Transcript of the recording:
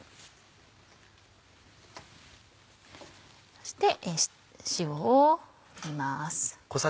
そして塩を振ります。